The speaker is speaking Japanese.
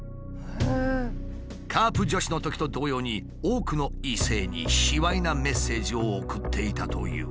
カープ女子のときと同様に多くの異性に卑猥なメッセージを送っていたという。